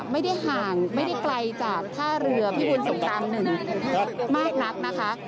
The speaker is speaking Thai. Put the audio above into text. ไม่ได้ห่างไม่ได้ไกลจากท่าเรือพิบูลสงคราม๑มากนักนะคะ